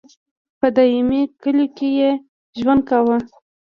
په دایمي کلیو کې یې ژوند کاوه.